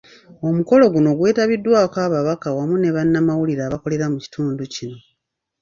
Omukolo guno gwetabiddwako ababaka wamu ne bannamawulire abakolera mu kitundu kino.